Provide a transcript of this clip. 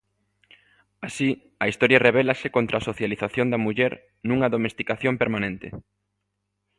Así a historia rebélase contra a socialización da muller nunha "domesticación permanente".